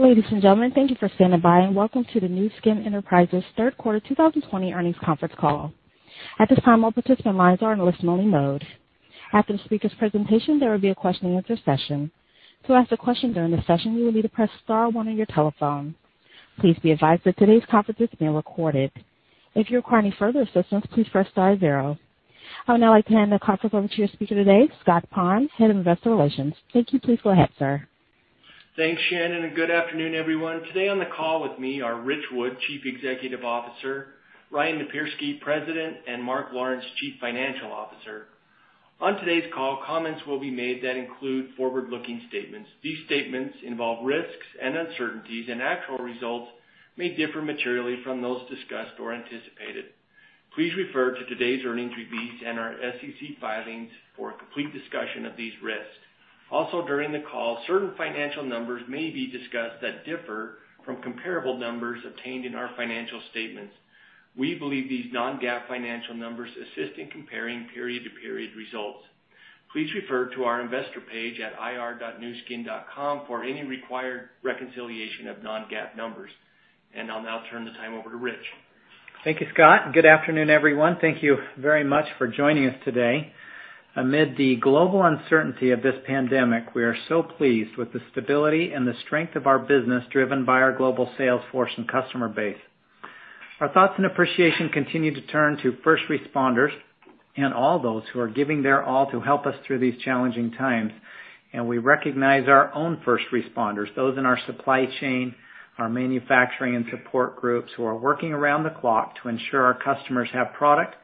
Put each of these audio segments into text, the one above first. Ladies and gentlemen, thank you for standing by and welcome to the Nu Skin Enterprises third quarter 2020 earnings conference call. At this time, all participant lines are in a listen-only mode. After the speaker's presentation, there will be a question and answer session. To ask a question during the session, you will need to press star one on your telephone. Please be advised that today's conference is being recorded. If you require any further assistance, please press star zero. I would now like to hand the conference over to your speaker today, Scott Pond, Head of Investor Relations. Thank you. Please go ahead, sir. Thanks, Shannon. Good afternoon, everyone. Today on the call with me are Ritch Wood, Chief Executive Officer, Ryan Napierski, President, and Mark Lawrence, Chief Financial Officer. On today's call, comments will be made that include forward-looking statements. These statements involve risks and uncertainties, and actual results may differ materially from those discussed or anticipated. Please refer to today's earnings release and our SEC filings for a complete discussion of these risks. Also during the call, certain financial numbers may be discussed that differ from comparable numbers obtained in our financial statements. We believe these non-GAAP financial numbers assist in comparing period to period results. Please refer to our investor page at ir.nuskin.com for any required reconciliation of non-GAAP numbers. I'll now turn the time over to Ritch. Thank you, Scott. Good afternoon, everyone. Thank you very much for joining us today. Amid the global uncertainty of this pandemic, we are so pleased with the stability and the strength of our business driven by our global sales force and customer base. Our thoughts and appreciation continue to turn to first responders and all those who are giving their all to help us through these challenging times, and we recognize our own first responders, those in our supply chain, our manufacturing and support groups who are working around the clock to ensure our customers have product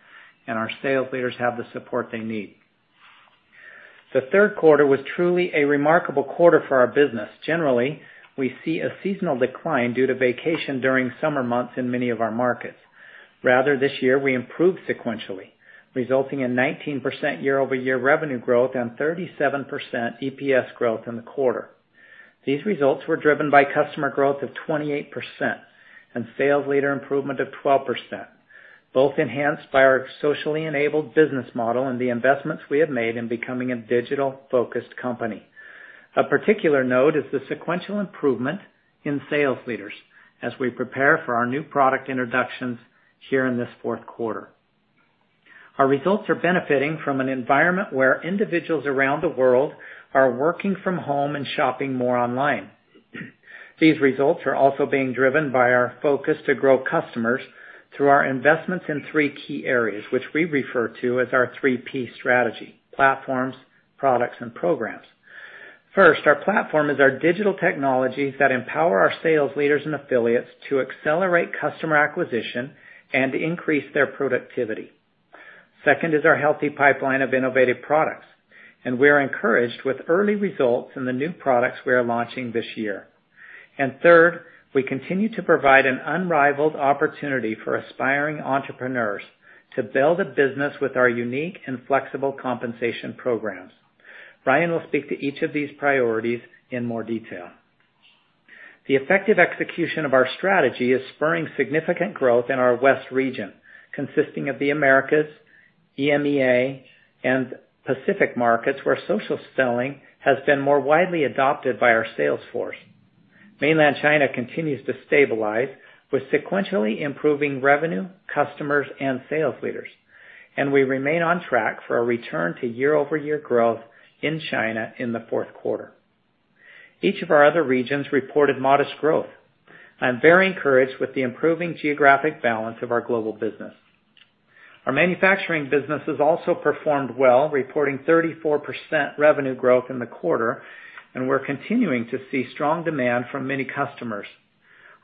and our sales leaders have the support they need. The third quarter was truly a remarkable quarter for our business. Generally, we see a seasonal decline due to vacation during summer months in many of our markets. Rather, this year we improved sequentially, resulting in 19% year-over-year revenue growth and 37% EPS growth in the quarter. These results were driven by customer growth of 28% and sales leader improvement of 12%, both enhanced by our socially enabled business model and the investments we have made in becoming a digital focused company. Of particular note is the sequential improvement in sales leaders as we prepare for our new product introductions here in this fourth quarter. Our results are benefiting from an environment where individuals around the world are working from home and shopping more online. These results are also being driven by our focus to grow customers through our investments in three key areas, which we refer to as our 3 P Strategy, Platforms, Products, and Programs. First, our platform is our digital technologies that empower our sales leaders and affiliates to accelerate customer acquisition and increase their productivity. Second is our healthy pipeline of innovative products, and we are encouraged with early results in the new products we are launching this year. Third, we continue to provide an unrivaled opportunity for aspiring entrepreneurs to build a business with our unique and flexible compensation programs. Ryan will speak to each of these priorities in more detail. The effective execution of our strategy is spurring significant growth in our west region, consisting of the Americas, EMEA, and Pacific markets, where social selling has been more widely adopted by our sales force. Mainland China continues to stabilize with sequentially improving revenue, customers, and sales leaders, and we remain on track for a return to year-over-year growth in China in the fourth quarter. Each of our other regions reported modest growth. I'm very encouraged with the improving geographic balance of our global business. Our manufacturing business has also performed well, reporting 34% revenue growth in the quarter. We're continuing to see strong demand from many customers.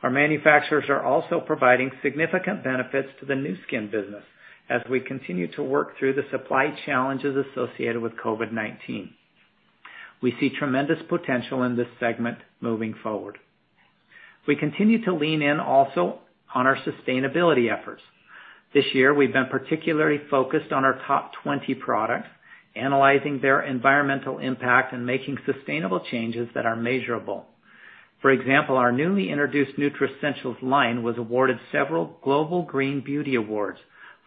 Our manufacturers are also providing significant benefits to the Nu Skin business as we continue to work through the supply challenges associated with COVID-19. We see tremendous potential in this segment moving forward. We continue to lean in also on our sustainability efforts. This year, we've been particularly focused on our top 20 products, analyzing their environmental impact and making sustainable changes that are measurable. For example, our newly introduced Nutricentials line was awarded several global green beauty awards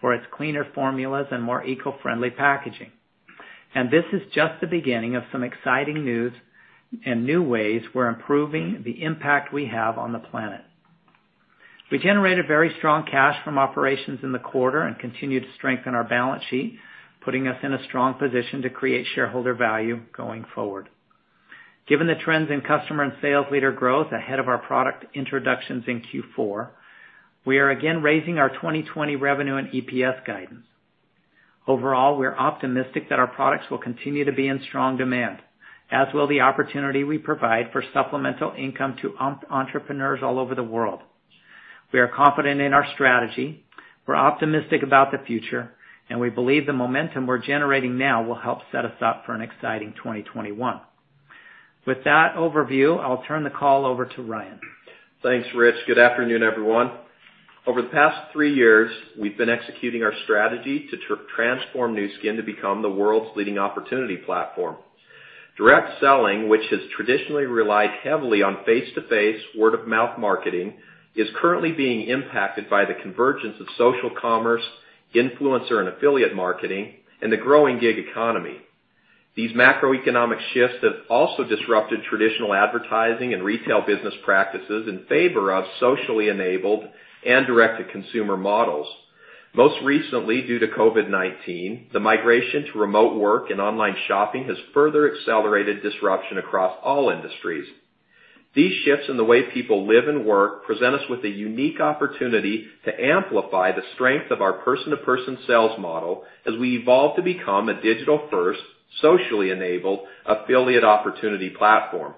for its cleaner formulas and more eco-friendly packaging. This is just the beginning of some exciting news and new ways we're improving the impact we have on the planet. We generated very strong cash from operations in the quarter and continue to strengthen our balance sheet, putting us in a strong position to create shareholder value going forward. Given the trends in customer and sales leader growth ahead of our product introductions in Q4, we are again raising our 2020 revenue and EPS guidance. Overall, we're optimistic that our products will continue to be in strong demand, as will the opportunity we provide for supplemental income to entrepreneurs all over the world. We are confident in our strategy. We're optimistic about the future, and we believe the momentum we're generating now will help set us up for an exciting 2021. With that overview, I'll turn the call over to Ryan. Thanks, Ritch. Good afternoon, everyone. Over the past three years, we've been executing our strategy to transform Nu Skin to become the world's leading opportunity platform. Direct selling, which has traditionally relied heavily on face-to-face word-of-mouth marketing, is currently being impacted by the convergence of social commerce, influencer and affiliate marketing, and the growing gig economy. These macroeconomic shifts have also disrupted traditional advertising and retail business practices in favor of socially enabled and direct-to-consumer models. Most recently, due to COVID-19, the migration to remote work and online shopping has further accelerated disruption across all industries. These shifts in the way people live and work present us with a unique opportunity to amplify the strength of our person-to-person sales model as we evolve to become a digital-first, socially enabled affiliate opportunity platform.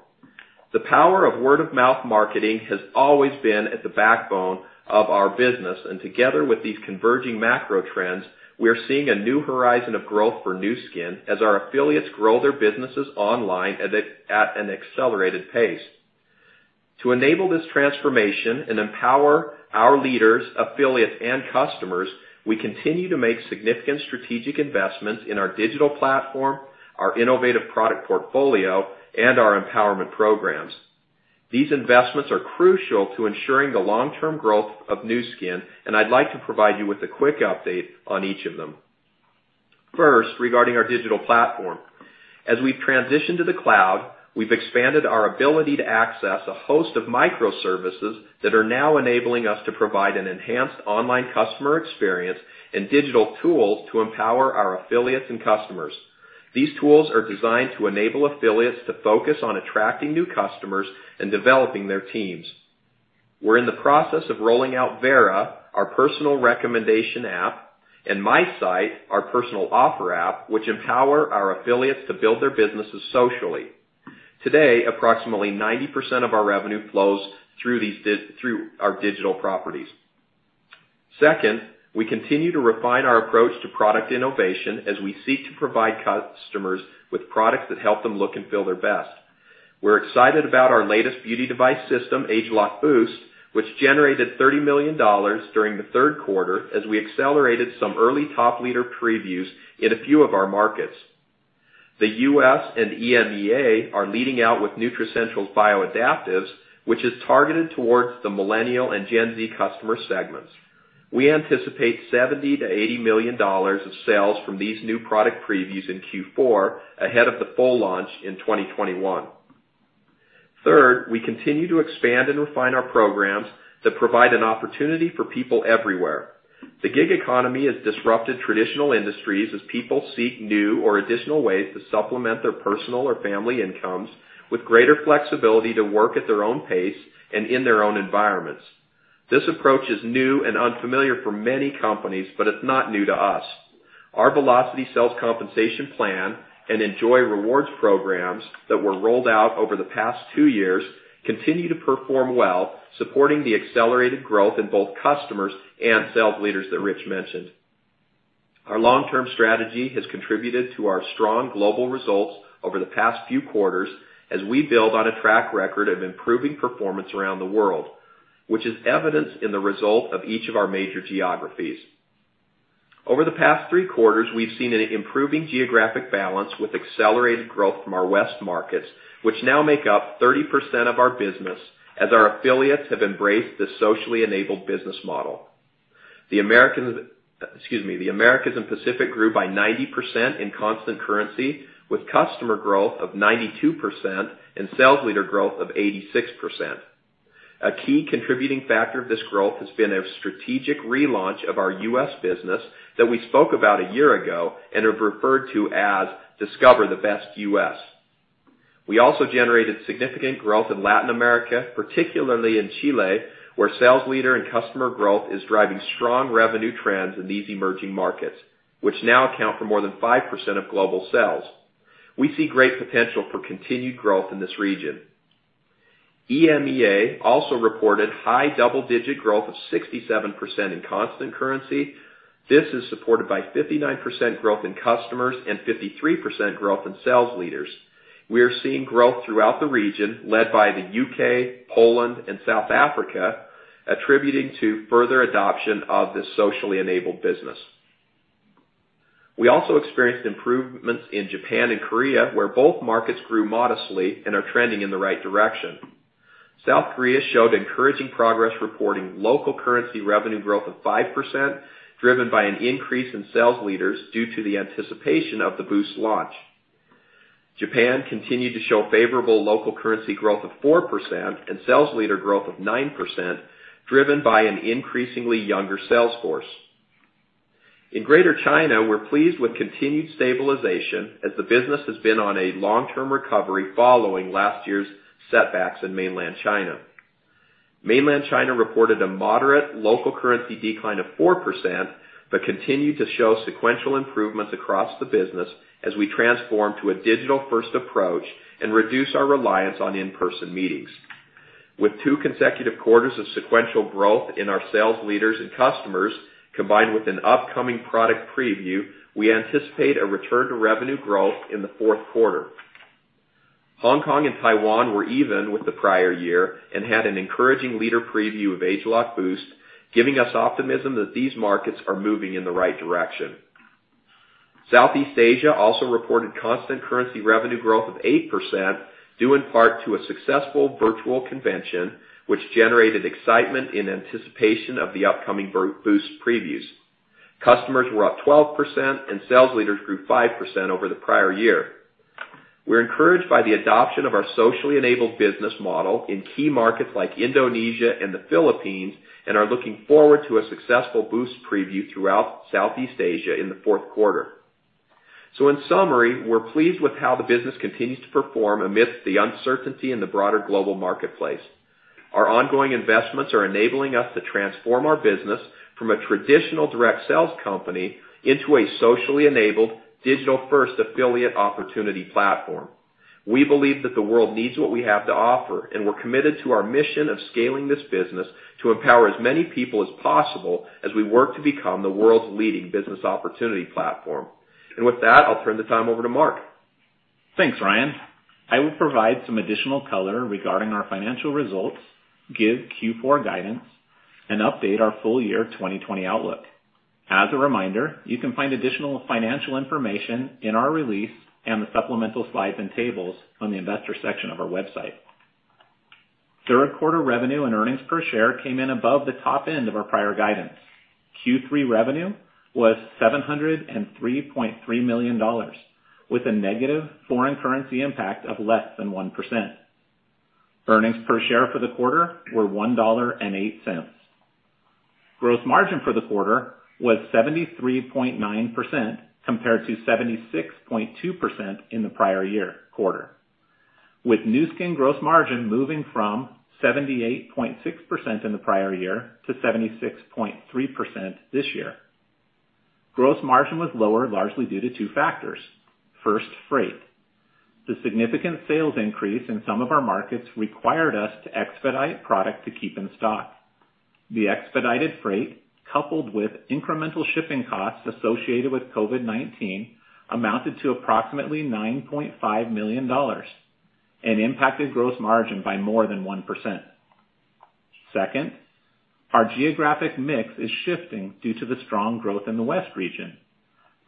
The power of word-of-mouth marketing has always been at the backbone of our business and together with these converging macro trends, we are seeing a new horizon of growth for Nu Skin as our affiliates grow their businesses online at an accelerated pace. To enable this transformation and empower our leaders, affiliates, and customers, we continue to make significant strategic investments in our digital platform, our innovative product portfolio, and our empowerment programs. These investments are crucial to ensuring the long-term growth of Nu Skin. I'd like to provide you with a quick update on each of them. First, regarding our digital platform, as we've transitioned to the cloud, we've expanded our ability to access a host of microservices that are now enabling us to provide an enhanced online customer experience and digital tools to empower our affiliates and customers. These tools are designed to enable affiliates to focus on attracting new customers and developing their teams. We're in the process of rolling out Vera, our personal recommendation app, and My Site, our personal offer app, which empower our affiliates to build their businesses socially. Today, approximately 90% of our revenue flows through our digital properties. Second, we continue to refine our approach to product innovation as we seek to provide customers with products that help them look and feel their best. We're excited about our latest beauty device system, ageLOC Boost, which generated $30 million during the third quarter as we accelerated some early top leader previews in a few of our markets. The U.S. and EMEA are leading out with Nutricentials Bioadaptives, which is targeted towards the Millennial and Gen Z customer segments. We anticipate $70 million-$80 million of sales from these new product previews in Q4, ahead of the full launch in 2021. Third, we continue to expand and refine our programs that provide an opportunity for people everywhere. The gig economy has disrupted traditional industries as people seek new or additional ways to supplement their personal or family incomes with greater flexibility to work at their own pace and in their own environments. This approach is new and unfamiliar for many companies, but it's not new to us. Our Velocity sales compensation plan and enJoy Rewards programs that were rolled out over the past two years continue to perform well, supporting the accelerated growth in both customers and sales leaders that Ritch mentioned. Our long-term strategy has contributed to our strong global results over the past few quarters as we build on a track record of improving performance around the world, which is evidenced in the result of each of our major geographies. Over the past three quarters, we've seen an improving geographic balance with accelerated growth from our West markets, which now make up 30% of our business as our affiliates have embraced this socially enabled business model. The Americas and Pacific grew by 90% in constant currency, with customer growth of 92% and sales leader growth of 86%. A key contributing factor of this growth has been a strategic relaunch of our U.S. business that we spoke about a year ago and have referred to as Discover the Best You. We also generated significant growth in Latin America, particularly in Chile, where sales leader and customer growth is driving strong revenue trends in these emerging markets, which now account for more than 5% of global sales. We see great potential for continued growth in this region. EMEA also reported high double-digit growth of 67% in constant currency. This is supported by 59% growth in customers and 53% growth in sales leaders. We are seeing growth throughout the region led by the U.K., Poland, and South Africa, attributing to further adoption of this socially enabled business. We also experienced improvements in Japan and Korea, where both markets grew modestly and are trending in the right direction. South Korea showed encouraging progress, reporting local currency revenue growth of 5%, driven by an increase in sales leaders due to the anticipation of the Boost launch. Japan continued to show favorable local currency growth of 4% and sales leader growth of 9%, driven by an increasingly younger sales force. In Greater China, we are pleased with continued stabilization as the business has been on a long-term recovery following last year's setbacks in Mainland China. Mainland China reported a moderate local currency decline of 4%, but continued to show sequential improvements across the business as we transform to a digital-first approach and reduce our reliance on in-person meetings. With two consecutive quarters of sequential growth in our sales leaders and customers, combined with an upcoming product preview, we anticipate a return to revenue growth in the fourth quarter. Hong Kong and Taiwan were even with the prior year and had an encouraging leader preview of ageLOC Boost, giving us optimism that these markets are moving in the right direction. Southeast Asia also reported constant currency revenue growth of 8%, due in part to a successful virtual convention, which generated excitement in anticipation of the upcoming Boost previews. Customers were up 12% and sales leaders grew 5% over the prior year. We're encouraged by the adoption of our socially enabled business model in key markets like Indonesia and the Philippines, and are looking forward to a successful Boost preview throughout Southeast Asia in the fourth quarter. In summary, we're pleased with how the business continues to perform amidst the uncertainty in the broader global marketplace. Our ongoing investments are enabling us to transform our business from a traditional direct sales company into a socially enabled, digital-first affiliate opportunity platform. We believe that the world needs what we have to offer, and we're committed to our mission of scaling this business to empower as many people as possible as we work to become the world's leading business opportunity platform. With that, I'll turn the time over to Mark. Thanks, Ryan. I will provide some additional color regarding our financial results, give Q4 guidance, and update our full year 2020 outlook. As a reminder, you can find additional financial information in our release and the supplemental slides and tables on the investor section of our website. Third quarter revenue and earnings per share came in above the top end of our prior guidance. Q3 revenue was $703.3 million, with a negative foreign currency impact of less than 1%. Earnings per share for the quarter were $1.08. Gross margin for the quarter was 73.9%, compared to 76.2% in the prior year quarter, with Nu Skin gross margin moving from 78.6% in the prior year to 76.3% this year. Gross margin was lower, largely due to two factors. First, freight. The significant sales increase in some of our markets required us to expedite product to keep in stock. The expedited freight, coupled with incremental shipping costs associated with COVID-19, amounted to approximately $9.5 million and impacted gross margin by more than 1%. Second, our geographic mix is shifting due to the strong growth in the West region.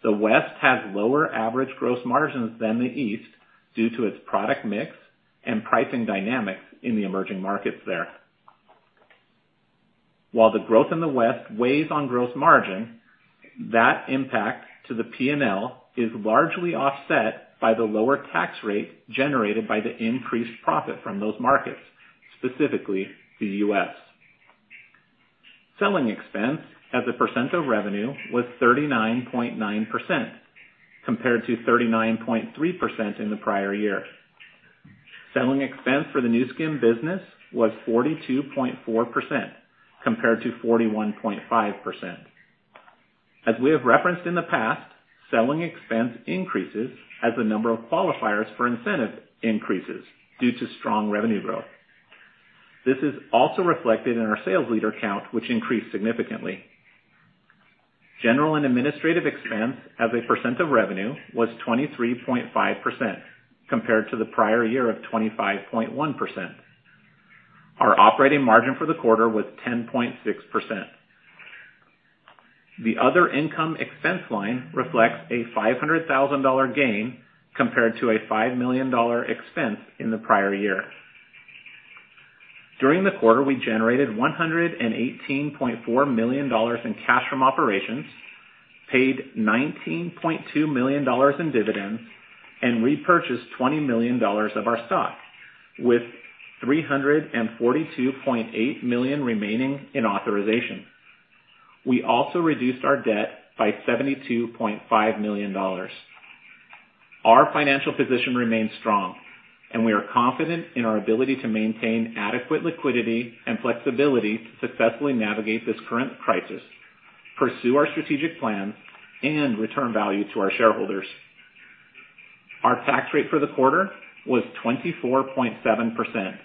The West has lower average gross margins than the East due to its product mix and pricing dynamics in the emerging markets there. While the growth in the West weighs on gross margin, that impact to the P&L is largely offset by the lower tax rate generated by the increased profit from those markets, specifically the U.S. Selling expense as a percent of revenue was 39.9%, compared to 39.3% in the prior year. Selling expense for the Nu Skin business was 42.4%, compared to 41.5%. As we have referenced in the past, selling expense increases as the number of qualifiers for incentive increases due to strong revenue growth. This is also reflected in our sales leader count, which increased significantly. General and administrative expense as a percent of revenue was 23.5%, compared to the prior year of 25.1%. Our operating margin for the quarter was 10.6%. The other income expense line reflects a $500,000 gain compared to a $5 million expense in the prior year. During the quarter, we generated $118.4 million in cash from operations, paid $19.2 million in dividends, and repurchased $20 million of our stock, with $342.8 million remaining in authorization. We also reduced our debt by $72.5 million. Our financial position remains strong, and we are confident in our ability to maintain adequate liquidity and flexibility to successfully navigate this current crisis, pursue our strategic plans, and return value to our shareholders. Our tax rate for the quarter was 24.7%,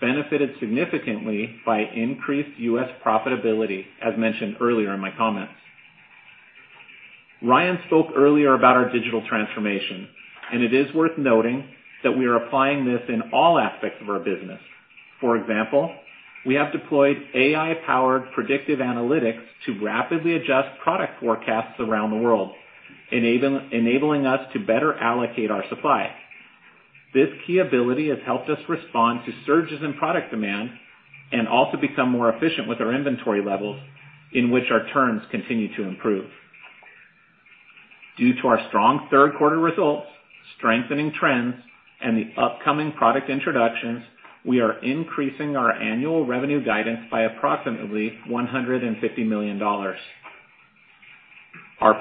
benefited significantly by increased U.S. profitability, as mentioned earlier in my comments. Ryan spoke earlier about our digital transformation, and it is worth noting that we are applying this in all aspects of our business. For example, we have deployed AI-powered predictive analytics to rapidly adjust product forecasts around the world, enabling us to better allocate our supply. This key ability has helped us respond to surges in product demand and also become more efficient with our inventory levels, in which our turns continue to improve. Due to our strong third quarter results, strengthening trends, and the upcoming product introductions, we are increasing our annual revenue guidance by approximately $150 million. Our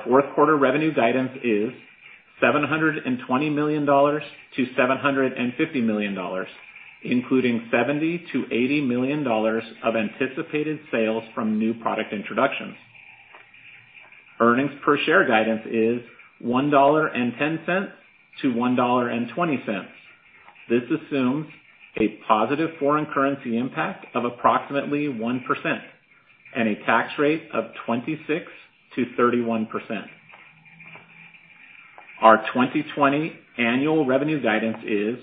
fourth quarter revenue guidance is $720 million-$750 million, including $70 million-$80 million of anticipated sales from new product introductions. Earnings per share guidance is $1.10-$1.20. This assumes a positive foreign currency impact of approximately 1% and a tax rate of 26%-31%. Our 2020 annual revenue guidance is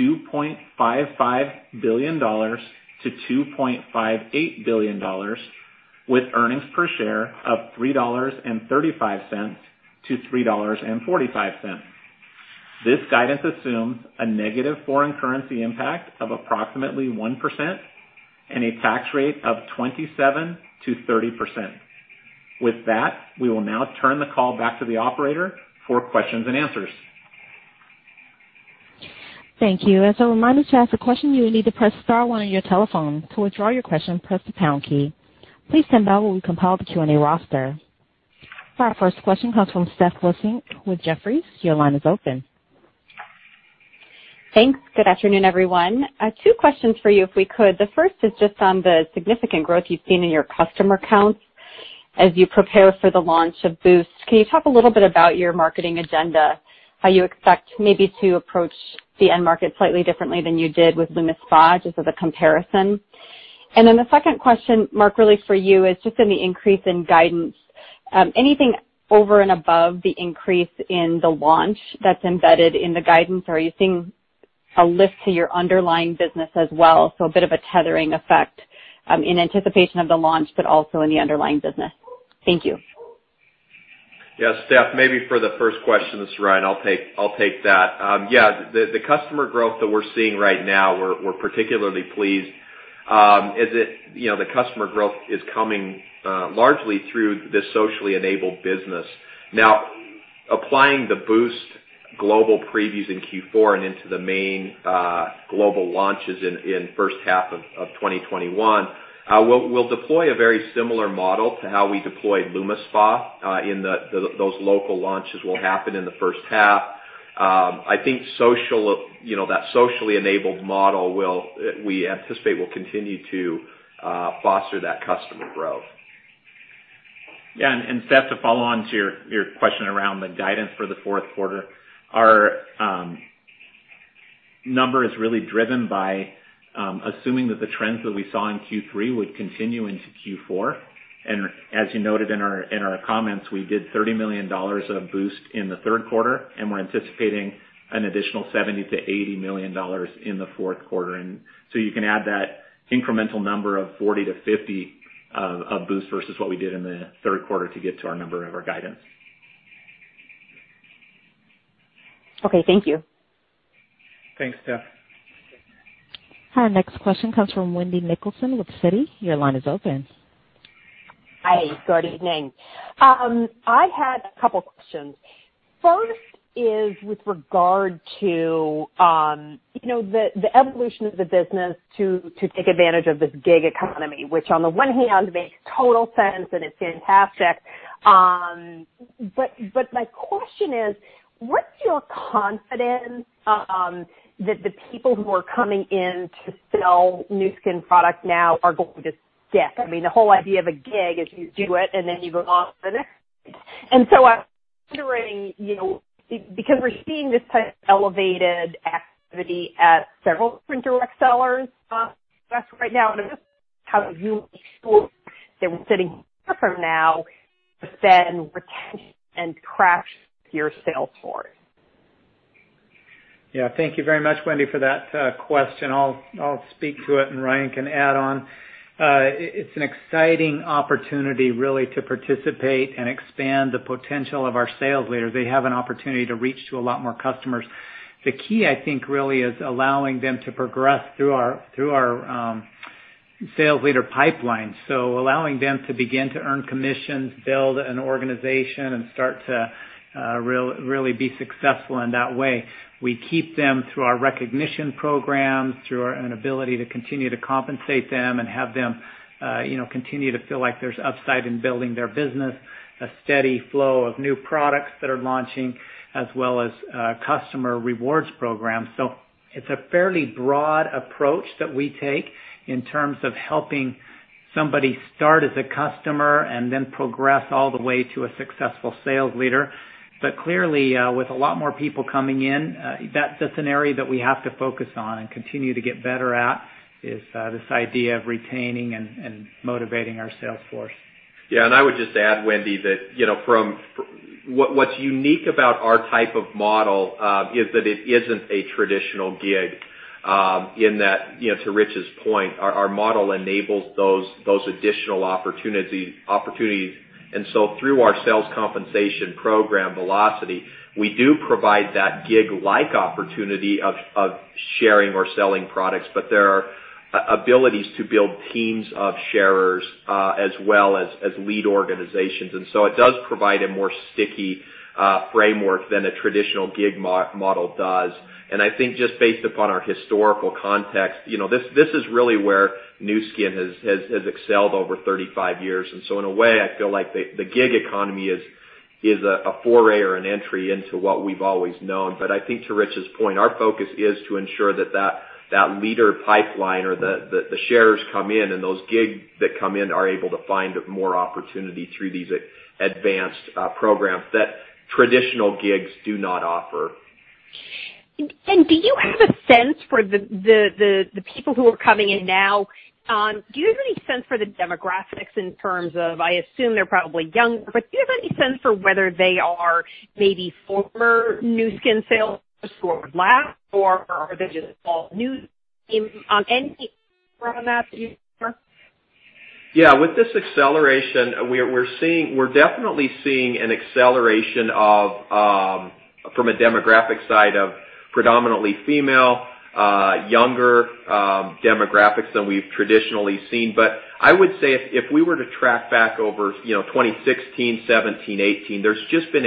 $2.55 billion-$2.58 billion, with earnings per share of $3.35-$3.45. This guidance assumes a negative foreign currency impact of approximately 1% and a tax rate of 27%-30%. With that, we will now turn the call back to the operator for questions and answers. Thank you. As a reminder, to ask a question, you will need to press star one on your telephone. To withdraw your question, press the pound key. Please stand by while we compile the Q&A roster. Our first question comes from Steph Wissink with Jefferies. Your line is open. Thanks. Good afternoon, everyone. Two questions for you, if we could. The first is just on the significant growth you've seen in your customer counts as you prepare for the launch of Boost. Can you talk a little bit about your marketing agenda, how you expect maybe to approach the end market slightly differently than you did with LumiSpa, just as a comparison? The second question, Mark, really for you, is just on the increase in guidance. Anything over and above the increase in the launch that's embedded in the guidance? Are you seeing a lift to your underlying business as well? A bit of a tethering effect in anticipation of the launch, but also in the underlying business. Thank you. Yeah, Steph, maybe for the first question, this is Ryan, I'll take that. Yeah, the customer growth that we're seeing right now, we're particularly pleased. The customer growth is coming largely through the socially enabled business. Now, applying the Boost global previews in Q4 and into the main global launches in first half of 2021, we'll deploy a very similar model to how we deployed LumiSpa, in that those local launches will happen in the first half. I think that socially enabled model, we anticipate, will continue to foster that customer growth. Yeah, Steph, to follow on to your question around the guidance for the fourth quarter, our number is really driven by assuming that the trends that we saw in Q3 would continue into Q4. As you noted in our comments, we did $30 million of Boost in the third quarter, and we're anticipating an additional $70 million-$80 million in the fourth quarter. You can add that incremental number of $40 million-$50 million of Boost versus what we did in the third quarter to get to our number of our guidance. Okay, thank you. Thanks, Steph. Our next question comes from Wendy Nicholson with Citi. Your line is open. Hi, good evening. I had a couple questions. First is with regard to the evolution of the business to take advantage of this gig economy, which on the one hand makes total sense and it's fantastic. My question is, what's your confidence that the people who are coming in to sell Nu Skin products now are going to stick? The whole idea of a gig is you do it and then you move on to the next. I'm considering, because we're seeing this type of elevated activity at several different direct sellers right now, how do you ensure that we're sitting here from now to then retention and crash your sales force? Yeah. Thank you very much, Wendy, for that question. I'll speak to it, and Ryan can add on. It's an exciting opportunity really to participate and expand the potential of our sales leaders. They have an opportunity to reach to a lot more customers. The key, I think, really is allowing them to progress through our sales leader pipeline. Allowing them to begin to earn commissions, build an organization, and start to really be successful in that way. We keep them through our recognition programs, through an ability to continue to compensate them and have them continue to feel like there's upside in building their business, a steady flow of new products that are launching, as well as customer rewards programs. It's a fairly broad approach that we take in terms of helping somebody start as a customer and then progress all the way to a successful sales leader. Clearly, with a lot more people coming in, that's an area that we have to focus on and continue to get better at, is this idea of retaining and motivating our sales force. I would just add, Wendy, that what's unique about our type of model is that it isn't a traditional gig in that, to Ritch's point, our model enables those additional opportunities. Through our sales compensation program, Velocity, we do provide that gig-like opportunity of sharing or selling products, but there are abilities to build teams of sharers as well as lead organizations. It does provide a more sticky framework than a traditional gig model does. I think just based upon our historical context, this is really where Nu Skin has excelled over 35 years. In a way, I feel like the gig economy is a foray or an entry into what we've always known. I think to Ritch's point, our focus is to ensure that that leader pipeline or the sharers come in and those gig that come in are able to find more opportunity through these advanced programs that traditional gigs do not offer. Do you have a sense for the people who are coming in now, do you have any sense for the demographics in terms of, I assume they're probably younger, but do you have any sense for whether they are maybe former Nu Skin sales or are they just all new? Anything from that you can share? Yeah, with this acceleration, we're definitely seeing an acceleration from a demographic side of predominantly female, younger demographics than we've traditionally seen. I would say if we were to track back over 2016, 2017, 2018, there's just been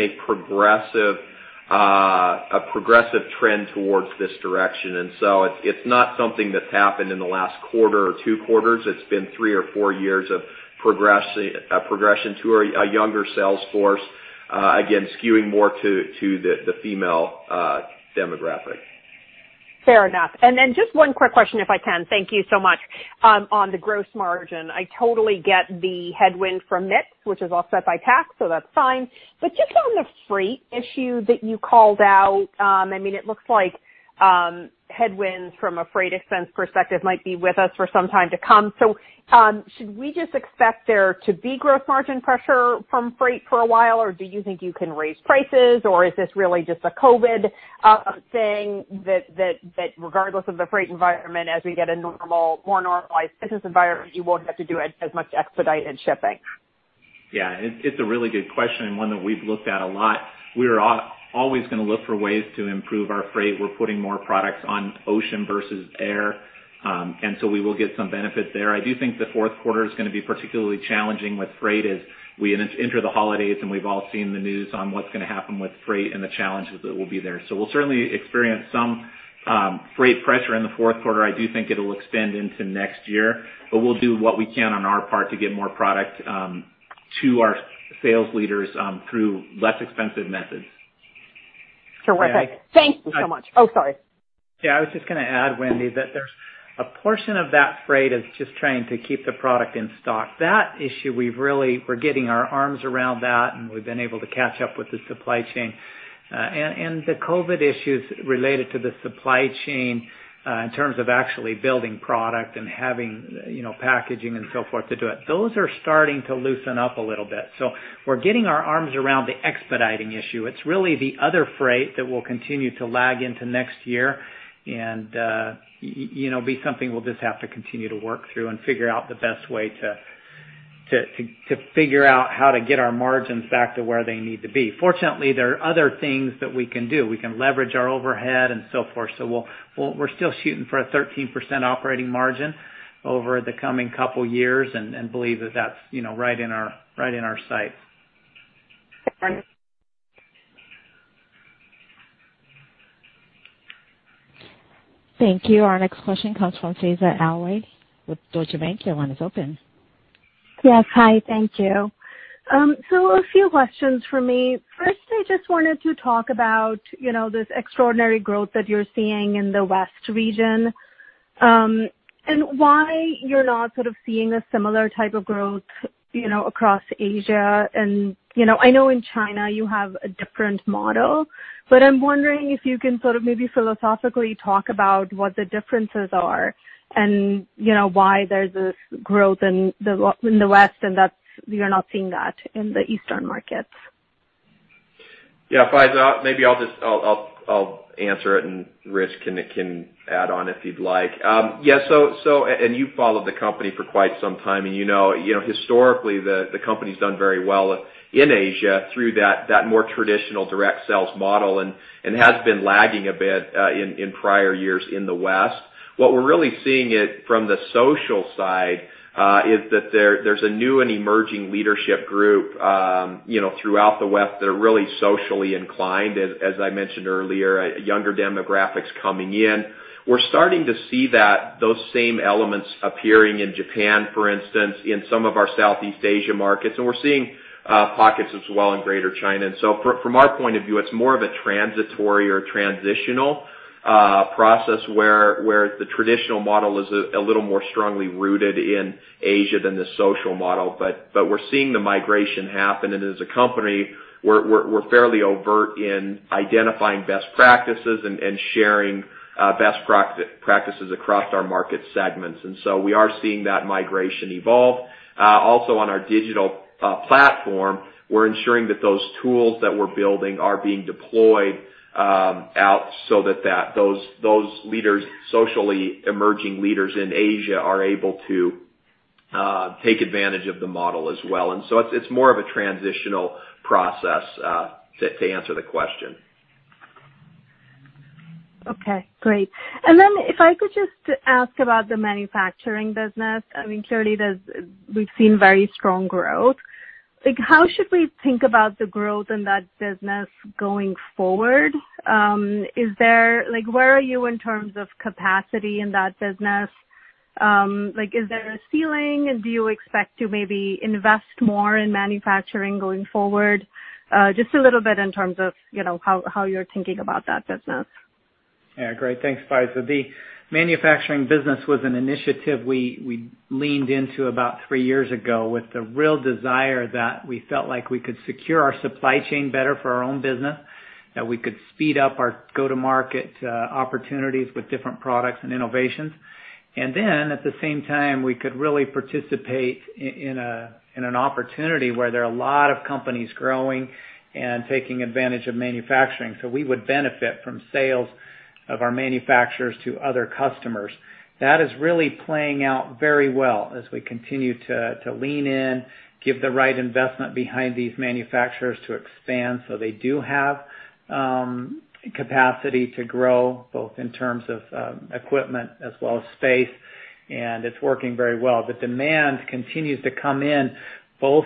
a progressive trend towards this direction. It's not something that's happened in the last quarter or two quarters. It's been three or four years of progression to a younger sales force, again, skewing more to the female demographic. Fair enough. Then just one quick question if I can. Thank you so much. On the gross margin, I totally get the headwind from mix, which is offset by tax, so that's fine. Just on the freight issue that you called out, it looks like headwinds from a freight expense perspective might be with us for some time to come. Should we just expect there to be gross margin pressure from freight for a while, or do you think you can raise prices, or is this really just a COVID-19 thing that regardless of the freight environment, as we get a more normalized business environment, you won't have to do as much expedited shipping? Yeah. It's a really good question, and one that we've looked at a lot. We are always going to look for ways to improve our freight. We're putting more products on ocean versus air. We will get some benefit there. I do think the fourth quarter is going to be particularly challenging with freight as we enter the holidays, and we've all seen the news on what's going to happen with freight and the challenges that will be there. We'll certainly experience some freight pressure in the fourth quarter. I do think it'll extend into next year, but we'll do what we can on our part to get more product to our sales leaders through less expensive methods. Terrific. Thank you so much. Oh, sorry. I was just going to add, Wendy, that there's a portion of that freight is just trying to keep the product in stock. That issue, we're getting our arms around that, and we've been able to catch up with the supply chain. The COVID issues related to the supply chain, in terms of actually building product and having packaging and so forth to do it, those are starting to loosen up a little bit. We're getting our arms around the expediting issue. It's really the other freight that will continue to lag into next year and be something we'll just have to continue to work through and figure out the best way to figure out how to get our margins back to where they need to be. Fortunately, there are other things that we can do. We can leverage our overhead and so forth. We're still shooting for a 13% operating margin over the coming couple of years and believe that that's right in our sights. Okay. Thanks. Thank you. Our next question comes from Faiza Alwy with Deutsche Bank. Your line is open. Yes. Hi, thank you. A few questions for me. First, I just wanted to talk about this extraordinary growth that you're seeing in the West region, and why you're not sort of seeing a similar type of growth across Asia. I know in China you have a different model, but I'm wondering if you can sort of maybe philosophically talk about what the differences are and why there's this growth in the West and that we are not seeing that in the Eastern markets. Faiza, maybe I'll just answer it, and Ritch can add on if he'd like. You've followed the company for quite some time, and you know historically the company's done very well in Asia through that more traditional direct sales model and has been lagging a bit in prior years in the West. What we're really seeing it from the social side is that there's a new and emerging leadership group throughout the West that are really socially inclined, as I mentioned earlier, younger demographics coming in. We're starting to see those same elements appearing in Japan, for instance, in some of our Southeast Asia markets, and we're seeing pockets as well in Greater China. From our point of view, it's more of a transitory or transitional process where the traditional model is a little more strongly rooted in Asia than the social model. We're seeing the migration happen, and as a company, we're fairly overt in identifying best practices and sharing best practices across our market segments. We are seeing that migration evolve. Also on our digital platform, we're ensuring that those tools that we're building are being deployed out so that those socially emerging leaders in Asia are able to take advantage of the model as well. It's more of a transitional process, to answer the question. Okay, great. If I could just ask about the manufacturing business, clearly we've seen very strong growth. How should we think about the growth in that business going forward? Where are you in terms of capacity in that business? Is there a ceiling? Do you expect to maybe invest more in manufacturing going forward? Just a little bit in terms of how you're thinking about that business. Yeah, great. Thanks, Faiza. The manufacturing business was an initiative we leaned into about three years ago with the real desire that we felt like we could secure our supply chain better for our own business, that we could speed up our go-to-market opportunities with different products and innovations. At the same time, we could really participate in an opportunity where there are a lot of companies growing and taking advantage of manufacturing. We would benefit from sales of our manufacturers to other customers. That is really playing out very well as we continue to lean in, give the right investment behind these manufacturers to expand so they do have capacity to grow, both in terms of equipment as well as space, and it's working very well. The demand continues to come in, both,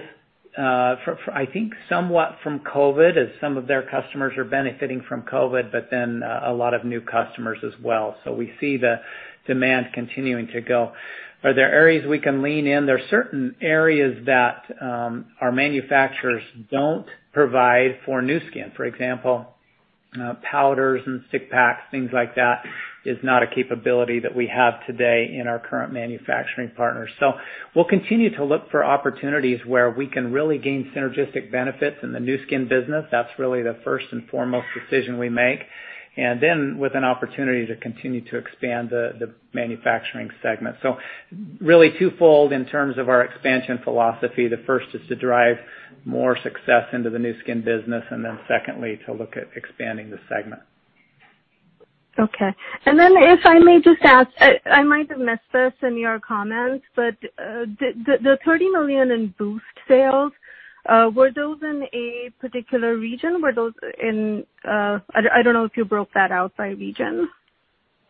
I think somewhat from COVID, as some of their customers are benefiting from COVID, but then a lot of new customers as well. We see the demand continuing to go. Are there areas we can lean in? There are certain areas that our manufacturers don't provide for Nu Skin. For example, powders and stick packs, things like that, is not a capability that we have today in our current manufacturing partners. We'll continue to look for opportunities where we can really gain synergistic benefits in the Nu Skin business. That's really the first and foremost decision we make, and then with an opportunity to continue to expand the manufacturing segment. Really twofold in terms of our expansion philosophy. The first is to drive more success into the Nu Skin business, and then secondly, to look at expanding the segment. Okay. If I may just ask, I might have missed this in your comments, the $30 million in Boost sales, were those in a particular region? I don't know if you broke that out by region.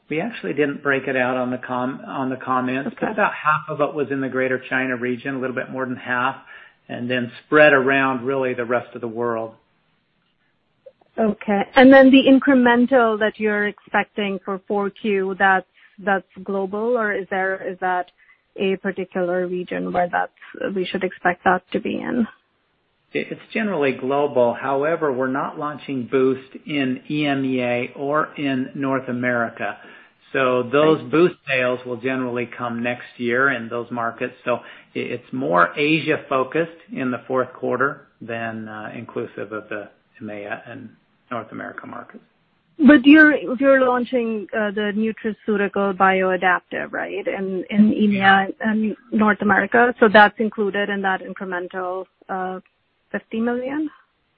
We actually didn't break it out on the comments. Okay. About half of it was in the Greater China region, a little bit more than half, then spread around, really, the rest of the world. Okay. Then the incremental that you're expecting for 4Q, that's global, or is that a particular region where we should expect that to be in? It's generally global. However, we're not launching Boost in EMEA or in North America. Those Boost sales will generally come next year in those markets. It's more Asia-focused in the fourth quarter than inclusive of the EMEA and North America markets. You're launching the Nutricentials Bioadaptive, right, in EMEA and North America, that's included in that incremental $50 million?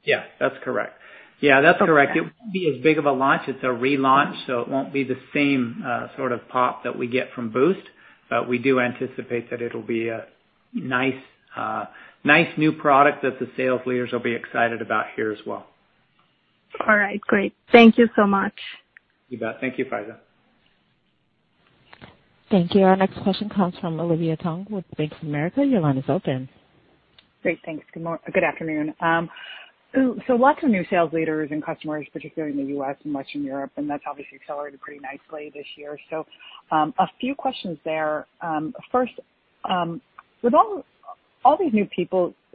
Yeah. That's correct. It won't be as big of a launch. It's a relaunch, so it won't be the same sort of pop that we get from Boost, but we do anticipate that it'll be a nice new product that the sales leaders will be excited about here as well. All right, great. Thank you so much. You bet. Thank you, Faiza. Thank you. Our next question comes from Olivia Tong with Bank of America. Your line is open. Great. Thanks. Good afternoon. Lots of new sales leaders and customers, particularly in the U.S. and Western Europe, and that's obviously accelerated pretty nicely this year. A few questions there. First, with all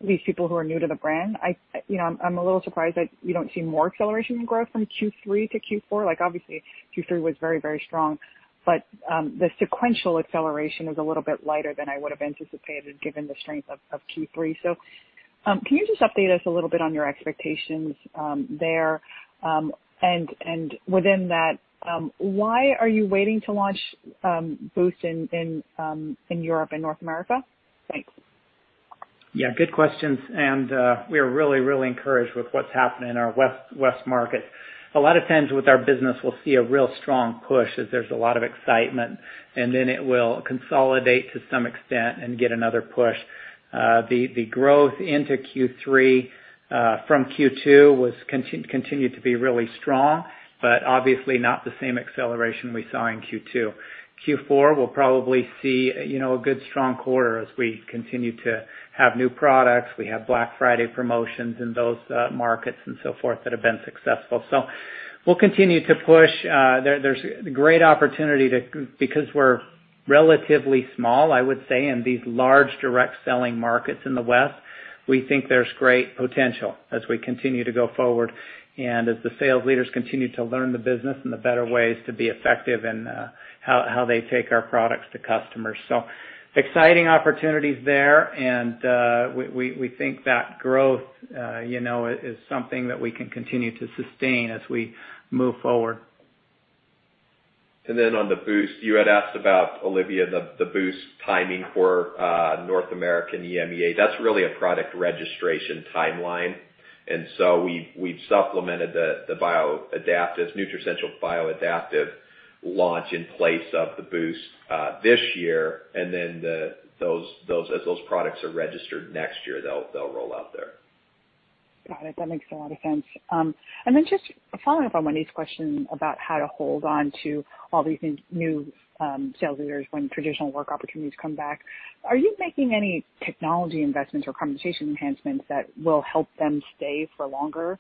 these people who are new to the brand, I'm a little surprised that you don't see more acceleration in growth from Q3 to Q4. Obviously, Q3 was very strong, the sequential acceleration was a little bit lighter than I would've anticipated given the strength of Q3. Can you just update us a little bit on your expectations there? Within that, why are you waiting to launch Boost in Europe and North America? Thanks. Yeah, good questions. We are really encouraged with what's happening in our West market. A lot of times with our business, we'll see a real strong push as there's a lot of excitement, and then it will consolidate to some extent and get another push. The growth into Q3 from Q2 continued to be really strong, but obviously not the same acceleration we saw in Q2. Q4, we'll probably see a good strong quarter as we continue to have new products. We have Black Friday promotions in those markets and so forth that have been successful. We'll continue to push. There's great opportunity because we're relatively small, I would say, in these large direct selling markets in the West. We think there's great potential as we continue to go forward and as the sales leaders continue to learn the business and the better ways to be effective in how they take our products to customers. Exciting opportunities there, and we think that growth is something that we can continue to sustain as we move forward. On the Boost, you had asked about, Olivia, the Boost timing for North America and EMEA. That's really a product registration timeline. We've supplemented the Nutricentials Bioadaptive launch in place of the Boost this year. As those products are registered next year, they'll roll out there. Got it. That makes a lot of sense. Just following up on Wendy's question about how to hold on to all these new sales leaders when traditional work opportunities come back, are you making any technology investments or compensation enhancements that will help them stay for longer?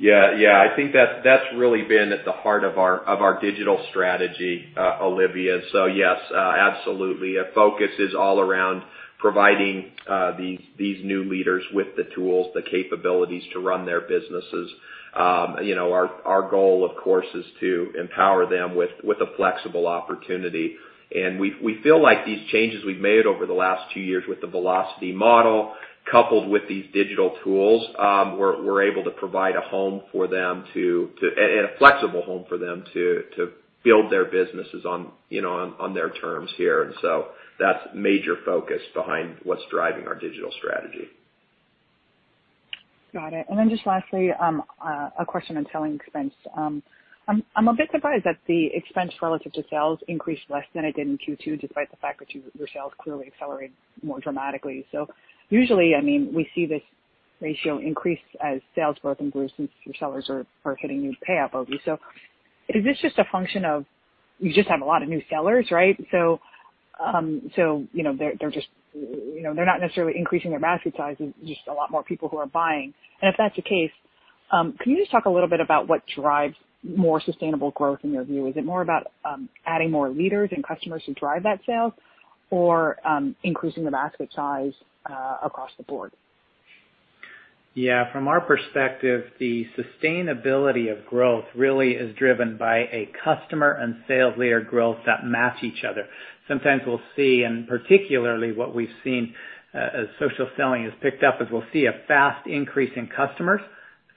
I think that's really been at the heart of our digital strategy, Olivia. Yes, absolutely. Our focus is all around providing these new leaders with the tools, the capabilities to run their businesses. Our goal, of course, is to empower them with a flexible opportunity. We feel like these changes we've made over the last two years with the Velocity model, coupled with these digital tools, we're able to provide a flexible home for them to build their businesses on their terms here. That's major focus behind what's driving our digital strategy. Got it. Just lastly, a question on selling expense. I'm a bit surprised that the expense relative to sales increased less than it did in Q2, despite the fact that your sales clearly accelerated more dramatically. Usually, we see this ratio increase as sales growth improves, since your sellers are hitting new pay-up [OB]. Is this just a function of, you just have a lot of new sellers, right? They're not necessarily increasing their basket size, it's just a lot more people who are buying. If that's the case, can you just talk a little bit about what drives more sustainable growth in your view? Is it more about adding more leaders and customers who drive that sales or increasing the basket size across the board? From our perspective, the sustainability of growth is driven by a customer and sales leader growth that match each other. Sometimes we'll see, and particularly what we've seen, as social selling has picked up, is we'll see a fast increase in customers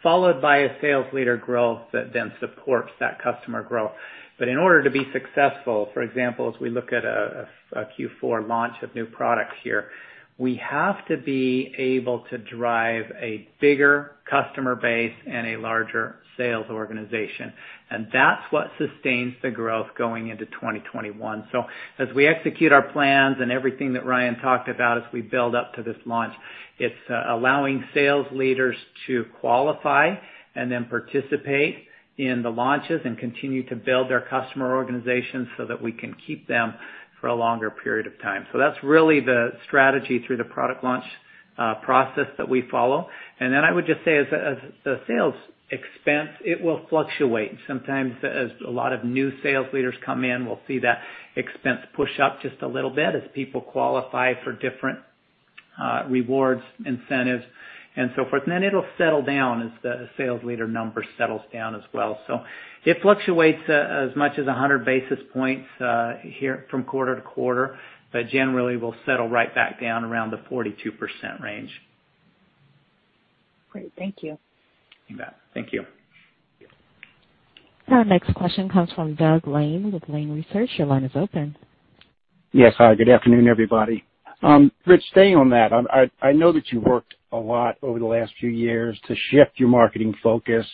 followed by a sales leader growth that then supports that customer growth. In order to be successful, for example, as we look at a Q4 launch of new products here, we have to be able to drive a bigger customer base and a larger sales organization, and that's what sustains the growth going into 2021. As we execute our plans and everything that Ryan talked about as we build up to this launch, it's allowing sales leaders to qualify and then participate in the launches and continue to build their customer organizations so that we can keep them for a longer period of time. That's really the strategy through the product launch process that we follow. Then I would just say as the sales expense, it will fluctuate. Sometimes as a lot of new sales leaders come in, we'll see that expense push up just a little bit as people qualify for different rewards, incentives and so forth. Then it'll settle down as the sales leader number settles down as well. It fluctuates as much as 100 basis points from quarter to quarter, but generally will settle right back down around the 42% range. Great. Thank you. You bet. Thank you. Our next question comes from Doug Lane with Lane Research. Your line is open. Yes. Hi, good afternoon, everybody. Ritch, staying on that, I know that you worked a lot over the last few years to shift your marketing focus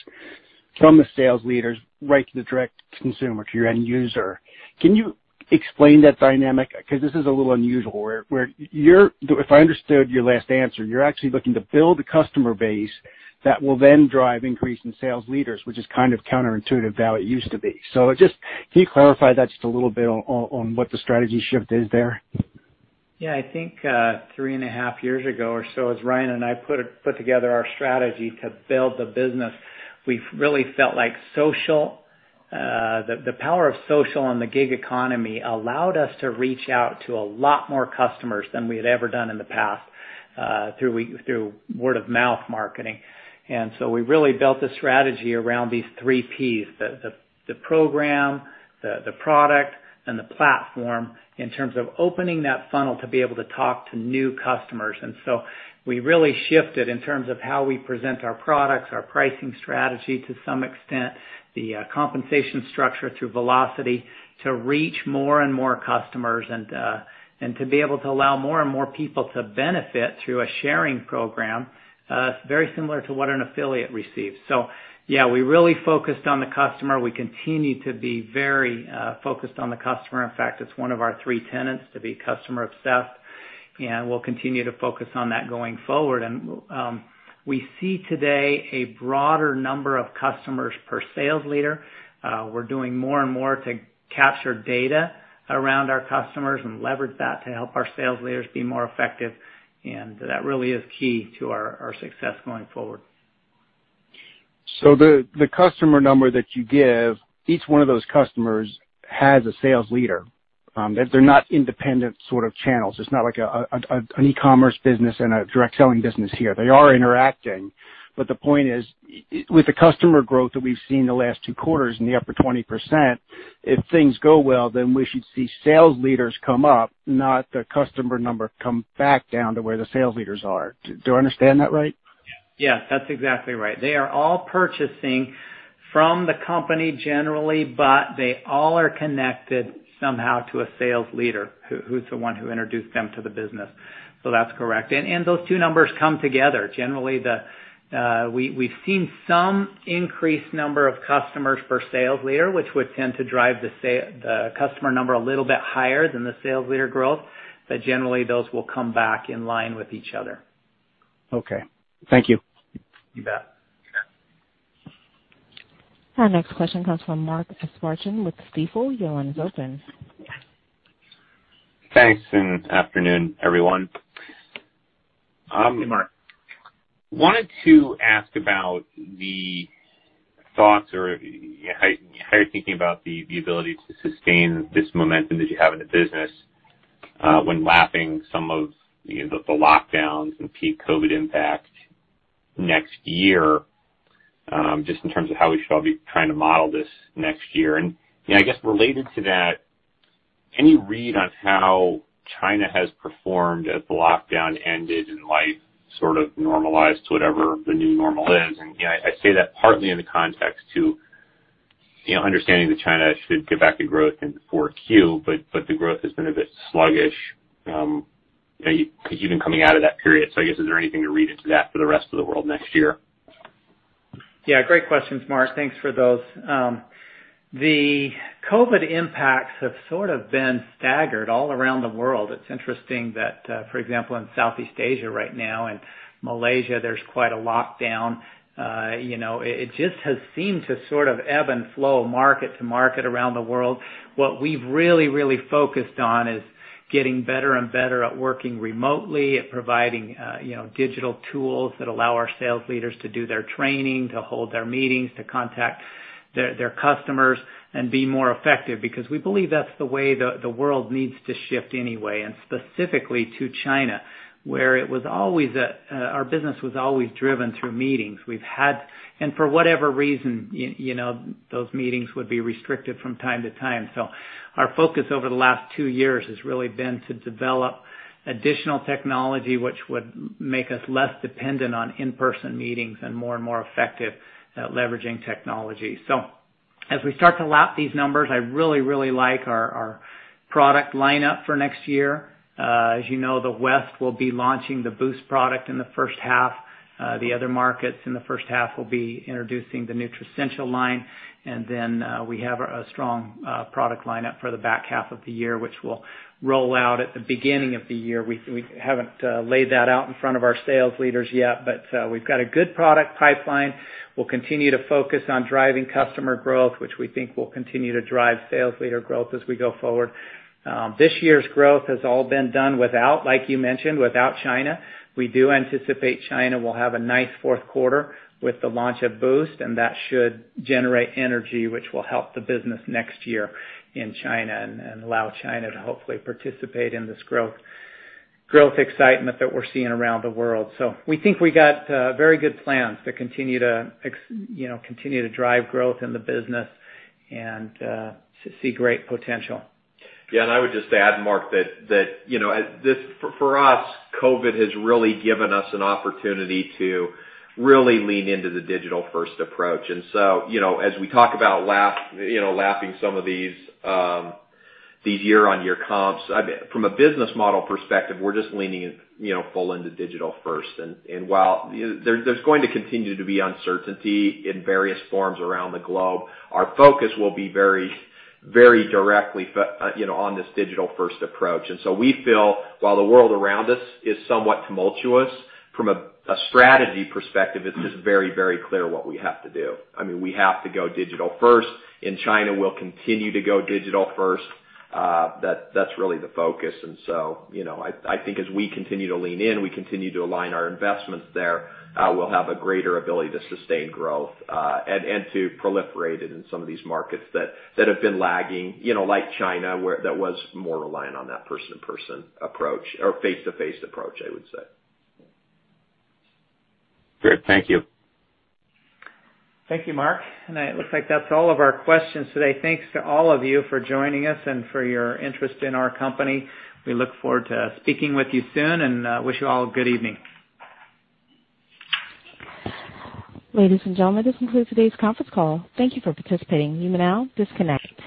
from the sales leaders right to the direct consumer, to your end user. Can you explain that dynamic? Because this is a little unusual, where if I understood your last answer, you're actually looking to build a customer base that will then drive increase in sales leaders, which is kind of counterintuitive to how it used to be. Just can you clarify that just a little bit on what the strategy shift is there? Yeah, I think, 3.5 years ago or so, as Ryan and I put together our strategy to build the business, we've really felt like the power of social and the gig economy allowed us to reach out to a lot more customers than we had ever done in the past, through word-of-mouth marketing. We really built a strategy around these 3 Ps, the Program, the Product, and the Platform in terms of opening that funnel to be able to talk to new customers. We really shifted in terms of how we present our products, our pricing strategy to some extent, the compensation structure through Velocity to reach more and more customers and to be able to allow more and more people to benefit through a sharing program, very similar to what an affiliate receives. Yeah, we really focused on the customer. We continue to be very focused on the customer. In fact, it's one of our three tenets, to be customer obsessed, and we'll continue to focus on that going forward. We see today a broader number of customers per sales leader. We're doing more and more to capture data around our customers and leverage that to help our sales leaders be more effective, and that really is key to our success going forward. The customer number that you give, each one of those customers has a sales leader. They're not independent sort of channels. It's not like an e-commerce business and a direct selling business here. They are interacting, but the point is, with the customer growth that we've seen the last two quarters in the upper 20%, if things go well, we should see sales leaders come up, not the customer number come back down to where the sales leaders are. Do I understand that right? Yes, that's exactly right. They are all purchasing from the company generally, but they all are connected somehow to a sales leader who's the one who introduced them to the business. That's correct. Those two numbers come together. Generally, we've seen some increased number of customers per sales leader, which would tend to drive the customer number a little bit higher than the sales leader growth, but generally those will come back in line with each other. Okay. Thank you. You bet. Our next question comes from Mark Astrachan with Stifel. Your line is open. Thanks, and afternoon, everyone. Hey, Mark. Wanted to ask about the thoughts or how you're thinking about the ability to sustain this momentum that you have in the business, when lapping some of the lockdowns and peak COVID-19 impact next year, just in terms of how we should all be trying to model this next year. I guess related to that, any read on how China has performed as the lockdown ended and life sort of normalized to whatever the new normal is? I say that partly in the context too, understanding that China should get back to growth in the 4Q, but the growth has been a bit sluggish even coming out of that period. I guess, is there anything to read into that for the rest of the world next year? Yeah. Great questions, Mark. Thanks for those. The COVID impacts have sort of been staggered all around the world. It's interesting that, for example, in Southeast Asia right now, in Malaysia, there's quite a lockdown. It just has seemed to sort of ebb and flow market to market around the world. What we've really focused on is getting better and better at working remotely, at providing digital tools that allow our sales leaders to do their training, to hold their meetings, to contact their customers and be more effective because we believe that's the way the world needs to shift anyway, and specifically to China, where our business was always driven through meetings. For whatever reason, those meetings would be restricted from time to time. Our focus over the last two years has really been to develop additional technology which would make us less dependent on in-person meetings and more and more effective at leveraging technology. As we start to lap these numbers, I really like our product lineup for next year. As you know, the West will be launching the Boost product in the first half. The other markets in the first half will be introducing the Nutricentials line. We have a strong product lineup for the back half of the year, which will roll out at the beginning of the year. We haven't laid that out in front of our sales leaders yet, but we've got a good product pipeline. We'll continue to focus on driving customer growth, which we think will continue to drive sales leader growth as we go forward. This year's growth has all been done without, like you mentioned, without China. We do anticipate China will have a nice fourth quarter with the launch of Boost, and that should generate energy, which will help the business next year in China and allow China to hopefully participate in this growth excitement that we're seeing around the world. We think we got very good plans to continue to drive growth in the business and see great potential. Yeah. I would just add, Mark, that for us, COVID has really given us an opportunity to really lean into the digital-first approach. As we talk about lapping some of these year-on-year comps, from a business model perspective, we're just leaning full into digital first. While there's going to continue to be uncertainty in various forms around the globe, our focus will be very directly on this digital-first approach. We feel while the world around us is somewhat tumultuous from a strategy perspective, it's just very, very clear what we have to do. We have to go digital first. In China, we'll continue to go digital first. That's really the focus. I think as we continue to lean in, we continue to align our investments there, we'll have a greater ability to sustain growth, and to proliferate it in some of these markets that have been lagging like China, where that was more reliant on that person-to-person approach or face-to-face approach, I would say. Great. Thank you. Thank you, Mark. It looks like that's all of our questions today. Thanks to all of you for joining us and for your interest in our company. We look forward to speaking with you soon, and wish you all a good evening. Ladies and gentlemen, this concludes today's conference call. Thank you for participating. You may now disconnect.